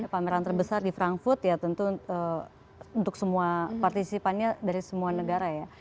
pameran terbesar di frankfurt ya tentu untuk semua partisipannya dari semua negara ya